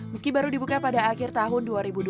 meski baru dibuka pada akhir tahun dua ribu dua puluh